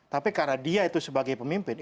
tapi karena dia itu sebagai pemimpin